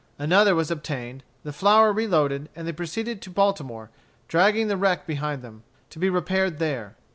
Another was obtained, the flour reloaded, and they proceeded to Baltimore, dragging the wreck behind them, to be repaired there.